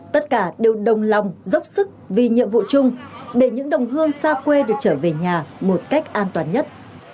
tất cả đều đồng lòng dốc sức vì nhiệm vụ chung để những đồng hương xa quê được trở về nhà một cách an toàn nhất